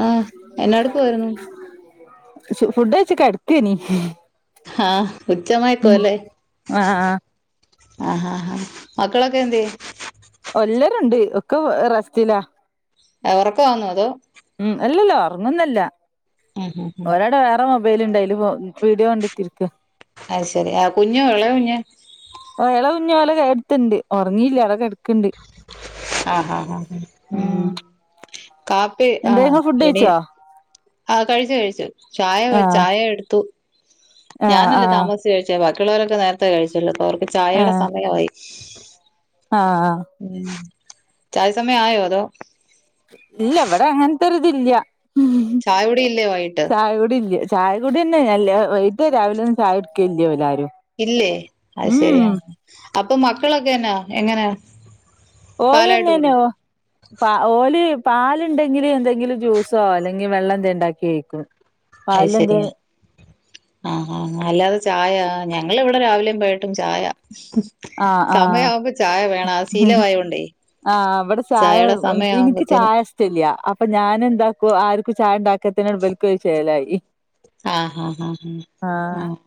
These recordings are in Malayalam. ആഹ് എന്നാടുക്കുവായിരുന്നു ഫുഡ് കയിച്ച് കിടത്തിയ നി ആഹ ഉച്ചമയക്കാല്ലേ ആഹ് ആഹാ ഹാ മക്കളെ ക്കെ എന്ത് ചെയ്യുന്നു ഒല്ലരുണ്ട് ഒക്കെ റ സ്റ്റിലാ ഉറക്കാണോഅതോ ഉം അല്ലല്ല ഉറങ്ങുന്നല്ല ഉം ഉം ഉം ഒരാടെ വേറെ മൊബൈൽ ലുണ്ടായി അതില് വീഡിയോ കണ്ടെത്തിരിക്ക അത് ശരി ആ കുഞ്ഞ ഉള്ളേ കുഞ്ഞ് ഇള കുഞ്ഞുഓള് എടുത്തണ്ട് ഉറങ്ങിയില്ല അടെക്കെടുക്കണ്ട് ആഹ് ഹ ഹ ഉ ഉം കാപ്പി എന്താ ആഹ് ഇങ്ങള് ഫുഡ് റെഡി കഴിച്ചോ കഴിച്ചു കഴിച്ചു ചായ ആഹ് ചായ എടുത്തു ആഹ് ഞാനല്ല ആഹ് താമസ കഴിച്ച ബാക്കിയുള്ളവരൊക്കെ നേരത്തെ കഴിച്ചല്ലോ അപ്പൊ അവർക്ക് ചായയുടെ ആഹ് സമയമായി ആഹ് ഉംചായ സമയംആയോ അതോ ഇല്ല ഇവിടെ അങ്ങനത്തെരുതില്ല ചായകുടി ഇല്ലേ വൈകിട്ട് ചായ കുടി ഇല്ല ചായ കുടി തന്നെല്ല വൈകിട്ട് രാവിലെ ഒന്നും ചായ കുടിക്ക ഇല്ല ഇവരാരും ഇല്ലേ അത് ശരിയാ അപ്പൊ മക്കളൊക്കെന്നാ എങ്ങനെയ ഓല്‌വന്നേനോ ഓല് പാലുണ്ടെങ്കില് എന്തെങ്കിലും ജ്യൂസോ അല്ലെങ്കിൽ വെള്ളം എന്ത ഉണ്ടാക്കി വെക്കും അയ് ശരിയ ആഹ ഹഅല്ലാതെ ചായ ഞങ്ങ ഇവിടെ രാവിലെയും വൈകിട്ടും ചായ ആഹ് സമയ ആഹ് ആവുമ്പോ ചായ വേണം അത് ശീല ആ യോണ്ടെ ആഹ് അവിടെ ചായ എനിക്ക് ചായ ഇഷ്ടല്യ അപ്പൊ ഞാൻ എന്താക്കുവ ആർക്കും ചായ ഉണ്ടാക്കിയത്തിട്ബൽക്ക ചെലായി ആഹ് ഹഹ് ആഹ് ഹഹ ആഹ്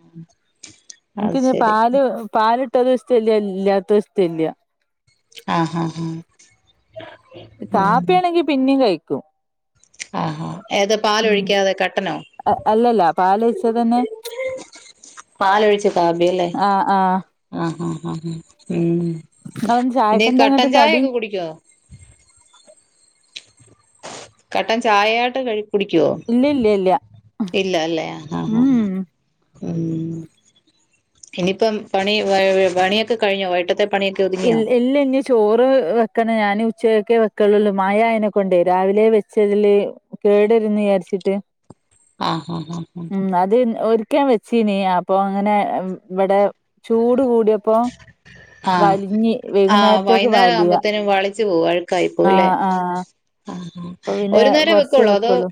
എനിക്ക് അത് ഇന്ന് ശരി പാല് പാലിട്ടാ ഇഷ്ടല്ല ഇല്ലാത്തതും ഇഷ്ടല്ല ആഹ് ഹഹ കാപ്പിയാണെങ്കി പിന്നേം കഴിക്കും ആഹാ ഏത് ഉം പാലൊഴിക്കാതെ കട്ടനോ അ അല്ലല്ല പാലൊഴിച്ചതെന്നെ പാലൊഴിച്ച കാപ്പി അല്ലേ ആഹ് ആഹ് ആഹ് ആഹ് ആഹ് ഉം നിങ്ങളെന്താ പിന്നെ ഈ ചായക്കെന്താ കട്ടൻ ഇങ്ങട്ട് ചായ കടി ഒക്കെ കുടിക്കുവോ? കട്ടൻ ചായയായിട്ട് കഴി കുടിക്കുവോ ഇല്ല ഇല്ല ഇല്ല ഇല്ല അല്ലേ ആഹ് ആഹ് ഉം ഉം ഇനിയിപ്പം പണി [unintelligible] പണിയൊക്കെ കഴിഞ്ഞോ വയ്യ്ട്ടത്തെ ഇൽ ഇല്ല ഇനി ഇസ് ചോറ് വെക്കണ ഞാൻ ഉച്ചയൊക്കെ വെക്കളുള്ളൂ മയ ആയെനെ കൊണ്ടേ രാവിലെ വെച്ചതില് കേടെരുന്ന് വിചാരിച്ചിട്ട് ആഹ് ആഹ് ആഹ് ആഹ് ഉം അത് ഓരിക്ക് ഞാൻ വെച്ചീനി അപ്പൊ അങ്ങനെ ഉം ഇവിടെ ചൂട് കൂടിയപ്പോ ആഹ് വലിഞ്ഞ് ആഹ് വൈകുന്നേരത്തേക്ക് വൈന്നേരം വലിയ ആവുമ്പോത്തേനും വളിച്ചു പോകും അഴുക്കായിപ്പോവും ല്ലേ ആഹ് ആഹ് ആഹ് ആഹ് അപ്പൊ പിന്നെ ഒരു നേരം കൊറച്ചേ വെക്കുള്ളോ അതോ വെക്കുള്ളൂ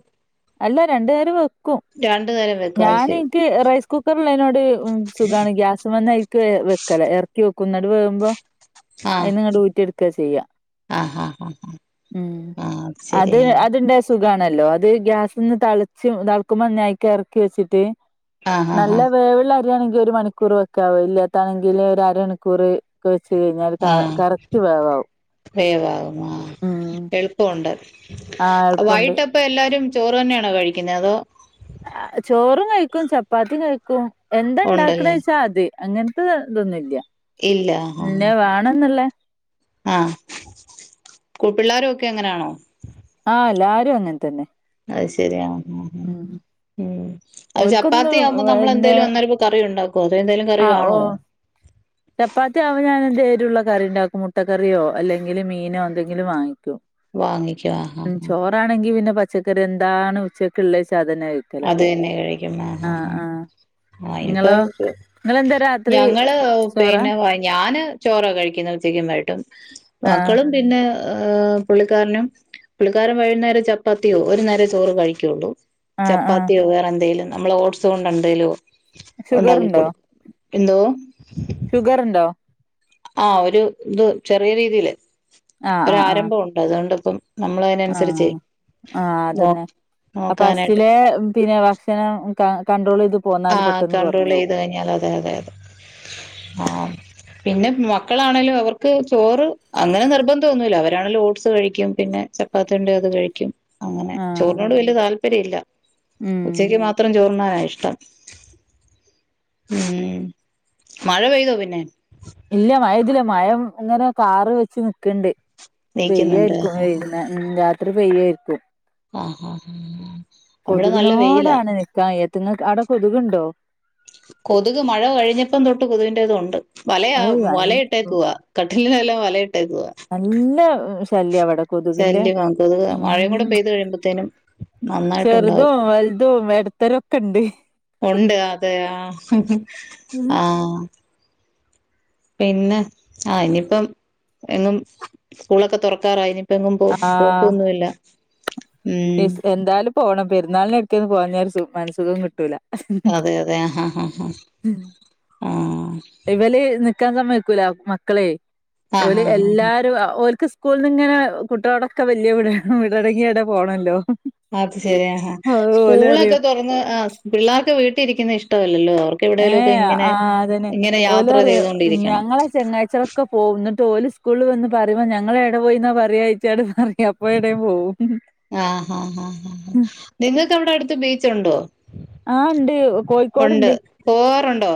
അല്ല രണ്ട് നേരോം വെക്കും രണ്ടു നേരം വെക്കോ അത് ഞാൻ ശരി ഇനിക്ക് റൈസ് കുക്കർ ഇള്ളേനോട് ഉം സുഖാണ് ഗ്യാസ്മ്മന്ന് അയിക്ക് വെ വെക്കലാ എറക്കി വെക്കും ഇന്നട് വേകുമ്പോ ആഹ് അയിന്ന്ങ്ങട് ഊറ്റി എടുക്കാ ചെയ്യാ ആഹ് ആഹ് ആഹ് ആഹ് ഉം ആഹ് അത് ശരിയാണ് അത് ട്ട്ണ്ടെ സുഖാണല്ലോ അത് ഗ്യാസിന്ന് തെളച്ച് തെളക്കുമ്പോ അയിക്ക് എറക്കി വെച്ചിട്ട് ആഹ് ആഹ് നല്ല ആഹ് വേവ്ള്ള അരിയാണെങ്കിൽ ഒരു മണിക്കൂർ വെക്കാ വേവില്ലാത്താണെങ്കില് ഒരു അരമണിക്കൂറ് വെച്ച് കഴിഞ്ഞാല് ക ആഹ് കറക്റ്റ് വേവാവും ഉം പ്പുണ്ട് ആഹ് എളുപ്പണ്ട് വയ്യ്ട്ടപ്പോ എല്ലാരും ചോറ് തന്നെയാണോ കഴിക്കുന്നത് അതോ? ആഹ് ചോറും കഴിക്കും ചപ്പാത്തിയും കഴിക്കും എന്താ ഉണ്ടല്ലേ ഇണ്ടാക്കണേച്ചാ അത് അങ്ങൻത്തെ ഇതൊന്നുല്ല ഇല്ല ആഹ് ഇന്ന വേണന്ന്ള്ളേ ആഹ് കൂ പിള്ളേരൊക്കെ അങ്ങനായാണോ? ആഹ് എല്ലാരും അങ്ങൻതന്നെ അയ്ശരിയാ ആഹ് ഉം ആഹ് ഉം അത് ഓൽക്കൊന്ന് ചപ്പാത്തിയാവുമ്പോ നമ്മള് പിന്നെ എന്തേലും അന്നേരപ്പ കറി ഒണ്ടാക്കോ അതോ എന്തേലും കറി ആഹ് ഓ കാണോ? ചപ്പാത്തി ആവുമ്പോ ഞാന് എന്തേ എരുള്ള കറി ഇണ്ടാക്കും മുട്ടക്കറിയോ അല്ലെങ്കില് മീനോ എന്തെങ്കിലും വാങ്ങിക്കും വാങ്ങിക്കു ആഹ് ആഹ് ആഹ് ആണെങ്കി പിന്നെ പച്ചക്കറി എന്താണ് ഉച്ചക്ക്ള്ളെച്ചാ അതെന്നെ കഴി അത് തന്നെ കഴിക്കും ആഹ് ആഹ് ആഹ് ഇനിപ്പ ഇങ്ങളോ [unintelligible] ഇങ്ങളെന്താ രാത്രി ഞങ്ങള് ചോറാ പിന്നെ വാ ഞാന് ചോറാ കഴിക്കുന്നേ ഉച്ചക്കും വൈയ്യിട്ടും ആഹ് മക്കളും പിന്നെ ഏഹ് പുള്ളിക്കാരനും പുള്ളിക്കാരൻ വൈന്നേര ചപ്പാത്തിയോ ഒരു നേരെ ചോറ് കഴിക്കുള്ളൂ ആഹ് ആഹ് ചപ്പാത്തിയോ വേറെന്തേലും നമ്മള് ഓട്സൊണ്ട് എന്തെലോ ഒണ്ടാക്കി ഷുഗറ്ണ്ടോ കൊടുക്കു എന്തോ? ഷുഗറ് ഇണ്ടോ? ആഹ് ഒരു ഇത് ചെറിയരീതിയില് ആഹ് ആഹ് ആഹ് ഒരാരഭവൊണ്ട് അതുകൊണ്ടിപ്പം നമ്മളതിനനുസരിച്ച് ആഹ് ആഹ് നോ അതന്നെ അ നോക്കാനായിട്ട് പസ്റ്റിലെ പിന്നെ ഭക്ഷ് ക്ഷണം ക കട്രോള് ചെയ്ത് പോന്നാല് പെട്ടെന്ന് കൊറഞ്ഞോവും ഞ്ഞാല് അതെ അതെ ആഹ് പിന്നെ മക്കളാണെലും അവർക്ക് ചോറ് അങ്ങനെ നിർബന്ധൊന്നുല്ല അവരാണെലും ഓട്സ് കഴിക്കും പിന്നെ ചപ്പ് ചപ്പാത്തി ഉണ്ടേ അത് കഴിക്കും അങ്ങനെ ആഹ് ചോറിനോട് വല്യ താല്പര്യം ഇല്ല ഉം ഉച്ചക്ക് മാത്രം ചോറുണ്ണാനാ ഇഷ്ടം ഉം മഴ പെയ്തോ പിന്നെ ഇല്ല മഴ പെയ്തില്ല മഴ ഇങ്ങനെ കാറി വച്ച് നിക്കണ്ട് നീക്കുന്നുണ്ട് പെയ്യായിരിക്കും വൈകുന്നേര ഉം രാത്രി പെയ്യായിരിക്കും ആഹ് ആഹ് ഇവിടെ നല്ലവെയിലാ [unintelligible] അവിടെ കൊതുകുണ്ടോ കൊതുക് മഴ കഴിഞ്ഞപ്പതൊട്ട് കൊതുവിൻ്റേതുണ്ട് വലയാ അത് നൽ വലയിട്ടേക്കുവാ കട്ടിലിനെല്ലാം വലയിട്ടേക്കുവാ നല്ല ശല്യഇവിടെ കൊതുകിൻ്റെ ശല്യമാ കൊതുക് മഴയും ഉം കൂടെ പെയ്ത് കഴിയുമ്പത്തേനും നന്നായിട്ടുണ്ടാവും ചെറുതും വലുതും എടത്ത എടത്തരൊക്കെ ഉണ്ട് ഉണ്ട് അതെ ആഹ് ആഹ് പിന്നെ ആഹ് ഇനിയിപ്പം എങ്ങും സ്കൂളൊക്കെ തൊറക്കാറായി ഇനി എങ്ങും പോ ആഹ് പോക്കൊന്നുല്ല ഉം ഇസ് എന്തായാലും പോണം പെരുന്നാളിനെക്കൊന്ന് [unintelligible] മനസുഖകിട്ടൂല അതെ അതെ ആഹ് ആഹ് [unintelligible] നിക്കാ സമ്മയക്കൂല മക്കളെ ആ ഓല് ഹാ ഹാ എല്ലാരും ഓൽക്ക് സ്കൂളിന്നങ്ങനെ കുട്ടിയോടൊക്കെ വല്യ വിട വീടണങ്ങി എവിടെ പോണല്ലോ അത് ശരിയാ അത് ഓല് പറയും സ്കൂളൊക്കെ തൊറന്ന് ആഹ് പിള്ളാർക്ക് വീട്ടിരിക്കുന്നത് ഇഷ്ടല്ലല്ലോ അവർക്ക് എവിടേലുമൊക്കെ ഏഹ് ഇങ്ങനെ ആഹ് അതന്നെ ഇങ്ങനെ ഓല് യാത്ര പറയും ചെയ്തോണ്ടിരിക്കണം. ഞങ്ങളെ ചങ്ങായിച്ചളൊക്കെപോ എന്നിട്ട് ഓല് സ്കൂള് വന്ന് പറുയുമ്പോ ഞങ്ങളെ എവിടെ പോയിന്നാ പറയച്ചാട് പറയു അപ്പേ [unintelligible] പോവും ആഹ് ആഹ് നിങ്ങൾക്ക് അവിടെ അടുത്ത് ബീച്ചുണ്ടോ ആഹ് ഉണ്ട് ഉണ്ട്. കോഴിക്കോട്ണ്ട് പോവാറുണ്ടോ?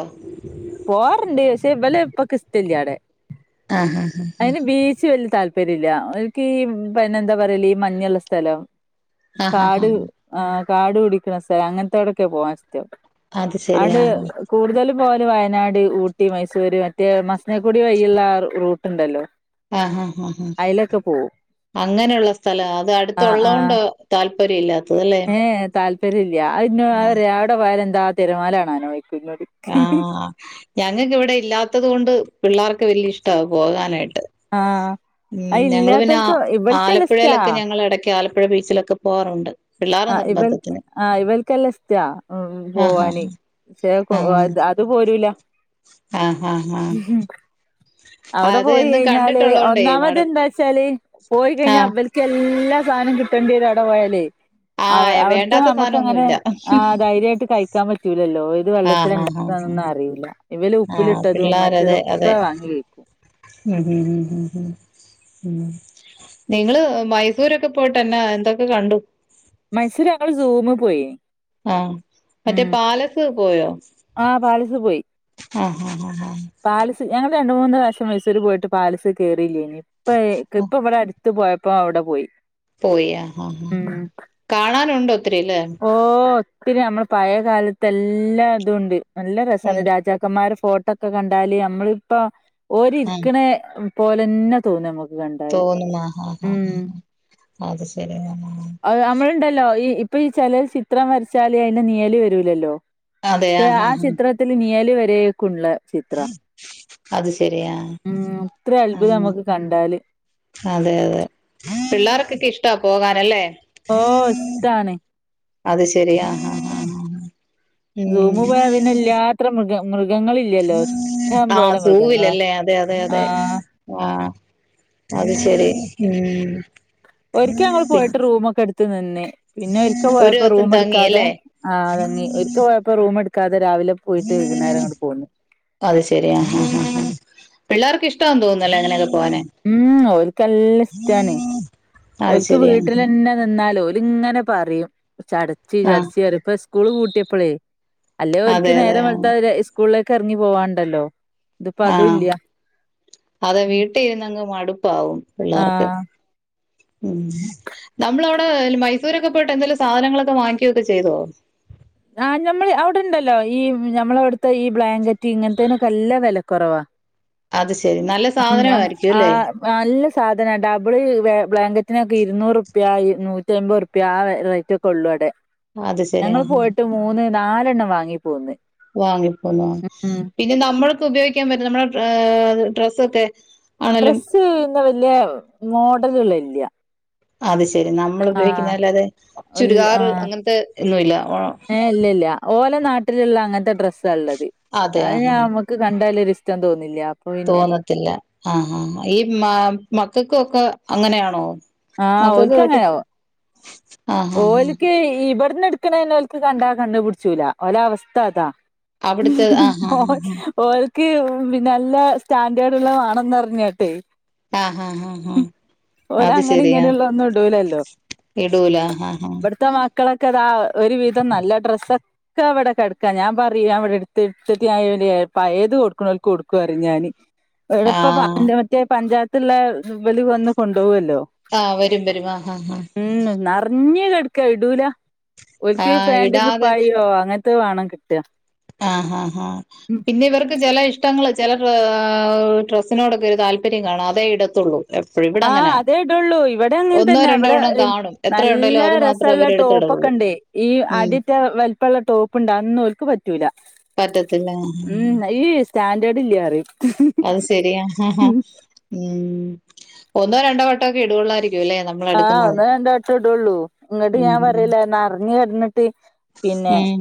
പോവാറുണ്ട് പക്ഷേ ഇവല് ഇപ്പൊ ഇഷ്ട ഇല്ല അവിടെ ആഹ് ആഹ് അതിന് ബീച്ച് വലിയ താല് താല്പര്യല്ല എനിക്ക് പിന്നെ എന്താ പറയല ഈ മഞ്ഞുള്ള സ്ഥലം ആഹ് ആഹ് കാട് ആഹ്. ആഹ് കാടു പിടിക്കുന്ന സ്ഥലം അങ്ങനത്തെവിടെക്കെ പോവാൻ ഇഷ്ട്ടം അത് ശരി. അതൊണ്ട് ആഹ് കൂടുതലും പോ വയനാട് ഊട്ടി മൈസൂര് മറ്റേ മസനക്കുടി വഴിയുള്ള ആ റൂട്ടുണ്ടല്ലോ? ആഹ് ആഹ് ആഹ് അങ്ങനെയുള്ള സ്ഥലം അത് ആഹ് അടുത്തള്ളണ്ട് താല്പര്യമില്ലാത്തത് അല്ലെ? ഏഹ് താല്പര്യം ഇല്ല അവിടെ പോയാല എന്താ തിരമാലാകാണാനാ ചോദിക്കും എന്നോട് ആഹ് ഞങ്ങൾക്ക് ഇവിടെ ഇല്ലാത്തത് കൊണ്ട് പിള്ളേർക്ക് വല്യ ഇഷ്ട്ട പോകാനായിട്ട്. ആഹ് ഉം അത് ഞങ്ങള് പിന്നെ ഇല്ലാത്തോൽക്ക് ഇവൽക്കല്ല ഇഷ്ടാ ആലപ്പുഴയിലൊക്കെ ഞങ്ങൾ ഇടക്ക് ആലപ്പുഴ ബീച്ചിലൊക്കെ പോവാറുണ്ട് പിള്ളേരെ ആഹ് ഇവൾ നിർബന്ധത്തിന് ആഹ് ഇവർക്കെല്ല ഇഷ്ട്ടാ ആഹ് പോവാന് ആഹ് [unintelligible] അത്‌ പോലു ഇല്ല ആഹ് ആഹ് ആഹ് ആഹ് അവിടെ അത് പോയി എന്നും കഴിഞ്ഞാല് കണ്ടിട്ടുള്ളോണ്ടേ ഒന്നാമത് മടു എന്താച്ചാല് പോയി കഴിഞ്ഞാൽ ആഹ് ഇവൽ എല്ലാ സാധനം കിട്ടണ്ടി വരും അവിടെ പോയാല്. അവ ആഹ് അവിടുത്തെ വേണ്ടാത്ത നമ്മുക്ക് അങ്ങനെ സാധനൊന്നുല്ല ആഹ് ധൈര്യായിട്ട് കഴിക്കാൻ പറ്റൂലല്ലോ? ഇത് വെള്ളത്തില ആഹ് ആഹ് ആഹ് ആഹ് ഉണ്ടാക്കൊന്നും അറിയില്ല ഇവല് ആഹ് ഉപ്പിലിട്ടതും പിള്ളേരതെ അതെ മറ്റതൊക്കെ വാങ്ങി വക്കും. ഉം ഉം ഉം ഉം ഉം നിങ്ങള് മൈസൂരൊക്കെ പോയിട്ട്ന്നെ എന്തൊക്കെ കണ്ടു? മൈസൂർ ഞങ്ങൾ സൂമ് പോയിനി ആഹ് മറ്റേ പാലസ് പോയോ? ആഹ് പാലസ് പോയി. ആഹ് ആഹ് ആഹ് പാലസ് ഞങ്ങൾ രണ്ട മൂന്ന് വാവശ്യം മൈസൂര് പോയിട്ട് പാലിസ് കയറിയില്ലേനി ഇപ്പ ആഹ് ഇപ്പ ഇവിടെ അഡ് ത്ത് പോയപ്പോ അവിടെ പോയി. പോയ് ആഹ് ഉം കാണാനുണ്ടോ ഒത്തിരിലെ? ഓഹ് ഒത്തിരി നമ്മൾ പഴയ കാലത്ത് എല്ലാം ഇതുണ്ട്. നല്ല രസണ് ഉണ്ട് രാജാക്കന്മാരുടെ ഫോട്ടോ ഒക്കെ കണ്ടാല് നമ്മളിപ്പോ ആഹ് ഓരിരിക്കണ പോലെന്നെ തോന്നുമ്മക്ക് കണ്ട തോന്നും ആ ഹ ഹാ ഹാ ഹ അത് ശരി നമ്മളുണ്ടല്ലോ ഈ ഇപ്പൊ ഈ ചില ചിത്രം വരച്ചാല് അയ്ന്റെ നീയൽ വരൂലല്ലോ? അതെ ക്ഷെ ഹാ ആ ഹാ ചിത്രത്തില് നിയല് വരെയൊക്കള്ള ചിത്ര അത് ശരി ആ മ് ഇത്ര ആ അത്ഭുതം നമുക്ക് കണ്ടാല് അതെ അതെ പിള്ളേർക്കൊക്കെ ഇഷ്ടാ പോകാനല്ലേ? ഓഹ് ഇഷ്ടാണ്. അത് ശരി ആ ആ ആ സൂമ പോയ പിന്നെല്ലാത്ര മൃഗ മൃഗങ്ങള ആഹ് സൂവിലല്ലേ അതെ അതെ അതെ ആഹ് ആഹ് അത് ശരി ഉം ഒരിക്ക ഞങ്ങൾ പിൻ പോയിട്ട് റൂമൊക്കെ എടുത്ത് നിന്ന പിന്നെ ഒരിക്ക ഒരു പോയപ്പോ ദിവസം റൂം എടുക്കാതെ തങ്ങിയല്ലേ ആ തങ്ങി ഒരിക്ക പോയപ്പോ റൂം എടുക്കാതെ രാവിലെ പോയിട്ട് വൈകുന്നേരം അങ്ങട്ട് പോന്ന്. അത് ശെരിയാ ഹഹഹ പിള്ളേർക്ക് ഇഷ്ട തോന്നുന്നല്ലേ അങ്ങനെയൊക്കെ പോവാനെ? ഉം ഓല്ക്കല്ലാ ഇഷ്ടണ്. അത് ഒൽക്ക് ശരിയാ വീട്ടിൽ തന്നെ നിന്നാലു ഓലിങ്ങനെ പറയും ചടച്ചി ആ ചടച്ചി സ് സ്കൂള് കൂട്ടിയപ്പോളേ അല്ലേ ഓല്ക്ക് അതെ അതെ നേരം വെളുത്ത സ്കൂളിലേക്ക ഇറങ്ങി പോവാണ്ടല്ലോ? ഇതിപ്പോ അതും ആഹ് ഇല്ല അത വീട്ടിരുന്നങ്ങ് മടുപ്പാവും പിള്ളർക്ക്. ആഹ് ഉം നമ്മള അവിടെ മൈസൂരൊക്കെ പോയിട്ട് എന്തെങ്കിലും സാധനങ്ങളൊക്കെ വാങ്ങിക്കോക്കെ ചെയ്തോ? ആ ഞമ്മൾ അവിടെണ്ടല്ലോ ഈ നമ്മള അവിടെണ്ടല്ലോ ഈ ബ്ലാങ്കറ്റ് ഇങ്ങനത്തെേനൊക്കെ നല്ലാ വിലക്കുറവാ. അത് ശരി നല്ല ഉം ഞ സാധനായിരിക്കും ആ അല്ലേ? നല്ല സാധന ഡബിൾ ബ്ലാങ്കറ്റിനൊക്കെ ഇരുന്നൂറ്പ്യ നൂറ്റി അമ്പത് പ്പ ആ റേറ്റൊക്കൊള്ളു അടെ അത് ശരി ഞങ്ങൾ ആഹ് പോയിട്ട് മൂന്ന് നാലെണ്ണം വാങ്ങി പോന്ന്. വാങ്ങിപ്പോന്നു. ഉം പിന്നെ നമ്മൾക്ക് ഉപയോഗിക്കാൻ പറ്റ്ന്ന നമ്മടെ ഡ്രസ്സൊക്കെ. ആണേലും ഡ്രസ്സ് ഇന്ന വല്യ മോഡല്ള്ളതില്യ. അത് ശെരി നമ്മൾ ഉപയോഗിക്കുന്നതല്ലാതെ ഇല്ല ചുരിദാർ അങ്ങൻത്തെ ഒന്നുല്ല്യ. ഇല്ലല്ല്യ ഓലെ നാട്ടില്ള്ള അങ്ങൻത്തെ ഡ്രസാള്ളത് അതെ അത്ഞ ആഹ് ക്ക് കണ്ടാലൊരിഷ്ടം തോന്നില്യ. തോന്നത്തില്ല, ആഹാ ഹാ ഈ മ മക്കക്കൊക്കെ അങ്ങനെയാണോ. ആഹ് മക്കൾക്ക് പറ്റ ഓൽക്ക്ങ്ങനാവോ. ആഹ് ആഹ് ഓല്ക്ക് ഇബട്ന്ന് ഇട്ക്ക്ണേനെ ഓൽക്ക് കണ്ടാ കണ്ണ് പുട്ച്ചൂല, ഓല അവസ്ഥ അതാ. അവിടുത്തെ ആഹ് ആഹ് ഓല്. ആഹ് ഓൽക്ക് നല്ല സ്റ്റാൻഡേർഡ് ഇള്ളത് വാണംന്നർഞ്ഞാട്ട്. ആഹ് ആഹ് ആഹ് അത് ഓലങ്ങനിം ശരിയാ ഇങ്ങനെള്ളതൊന്നും ഇടൂലല്ലോ. ഇടൂല ആഹ് ആഹ് ത്തെ മക്കളൊക്കെതാ ഒരുവിധം നല്ല ഡ്രസ്സ് ഒ ക്കെവിടെകെടാക്കാ ഞാം പറിം ഞാവടെ എട്ത്ത് എട്ത്തിട്ട് ഞാ പയേത് കൊടുക്കണോൽക്ക് കൊട്ക്കുംന്ന് പറിം ഞാന്. ഇവിടിപ്പൊ ആഹ് മറ്റേ പഞ്ചായത്തിലുള്ള ഇവല് വന്ന് കൊണ്ടോകൂല്ലോ. ആഹ് വരും വരും ആഹ്ആഹ് ആഹ്. ഉം നെറഞ്ഞ് കെട്ക്കാ, ഇടൂല ഓൽക്ക് ആഹ് പാൻ്റുംകുപ്പായോം അങ്ങ ത് വേണം കിട്ട. ആഹ് ആഹ് ആഹ് പിന്നെ ഇവർക്ക് ചില ഇഷ്ടങ്ങള് ചില ഡ്രസ്സിനോടൊക്കെ ഒരു താല്പര്യം കാണാം അതേ ഇടത്തുള്ളൂ. എപ്പഴും ഇവിടെ ആഹ് അങ്ങനാ അതേയിടുവൊള്ളു ഒന്നോ ഇവടേയങ്ങനെതന്നെ രണ്ടോ ഇവടെ എണ്ണം കാണും എത്ര നല്ല ഉണ്ടേലും അത് രസ മാത്രമേ സവൊള്ള ടോപ്പൊക്കെ അവരെടുത്തിടുള്ളൂ ഇണ്ടേ, ഈ ഉം അടറ്റ വലുപ്പള്ള ടോപ്പുണ്ട് അതൊന്നും ഓര്ക്ക് പറ്റൂല. പറ്റത്തില്ല ഉം ഈ സ്റ്റാൻഡേർഡ് ഇല്ല്യാ പറിം അത് ശരിയാ ആ ഹാ ഉം ഒന്നോ രണ്ടോ വട്ടൊക്കെ ഇടുവൊള്ളായിരിക്കുംല്ലേ. ആഹ് ഒന്ന് രണ്ട് വട്ടം ഇടൊള്ളൂ, ഇന്ന്ട്ട് ഉം ഞാൻ പറഞ്ഞീലെ നെറഞ്ഞ് കെടന്നിട്ട് പിന്നെ ഉം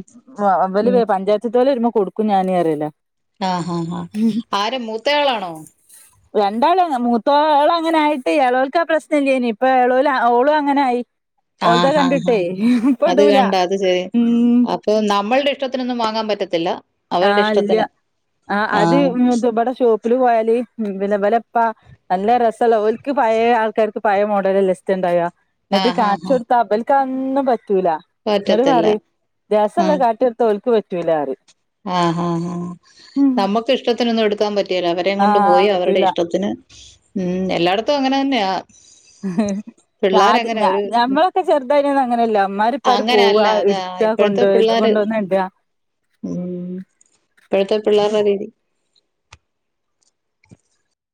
ഇവല് ഉം വ പഞ്ചായത്തോല് വരുമ്പോ കൊടുക്കും ഞാന് പറേലാ. ആഹ് ഹാ ആഹ് ആര് മൂത്തയാളാണോ? രണ്ടാളും മൂത്തോളങ്ങനായിട്ട് യെളോൾക്കാ പ്രശ്നല്ലേയ്ന്. ഇപ്പൊ എളോലും ഓളും അങ്ങനായി. ആഹ് ഹാ ഹാ അത് ഇടൂല കണ്ട് അത് ചെ ഉം അപ്പൊ നമ്മള്ടെ ഇഷ്ടത്തിനൊന്നും വാങ്ങാൻ പറ്റത്തില്ല. അവരുടെ ഇല്ല ഇഷ്ടത്തിന്. ആഹ് അത് ഇബടെ ഷോ ല് പോയാല് ഇവലെപ്പ നല്ല രസവൊള്ള ഓൽക്ക് പഴേ ആൾക്കാർക്ക് പഴേ മോഡ ലല്ലേ ഇഷ്ട്ടണ്ടാക, എന്നിട്ട് ആഹ് ആഹ് ആഹ് കാണിച്ചൊടുത്താ ഇവൽകതൊന്നും പറ്റൂല. എന്നട്ട് പറ്റത്തില്ല പറയും രസവുള്ള ആഹ് കാട്ടീയൊടുത്താ ഓൽക്ക് പറ്റൂലാറിം ആഹ് ആഹ് ആഹ് നമ്മക്ക് ഇഷ്ടത്തിനൊന്നും എടുക്കാൻ പറ്റേല, അവരേം കൊണ്ട് ആഹ് പോയി അവരുടെ പറ്റൂല ഇഷ്ടത്തിന്. ഉം എല്ലാടുത്തും അങ്ങനെ തന്നെയാ. ഞാന് പിള്ളേരങ്ങനെ ഞ ഒരു ഞമ്മളൊക്കെ ചെറുതായ്നന്ന് അങ്ങനല്ല ഇമ്മാരിപ്പാര് അങ്ങനല്ല പോവാ ഇ അതാ ഇടാ ഇപ്പോഴത്തെ കൊണ്ടോ ഇത് പിള്ളേര് കൊണ്ടോന്നിടാ. ഉം ഇപ്പഴത്തെ പിള്ളേരുടെ രീതി.